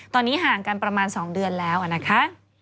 ตอนนี้ห่างกันประมาณ๒เดือนแล้วนะคะ